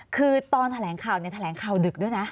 คือตอนแถลงข่าวเนี่ยแถลงข่าวดึกด้วยนะ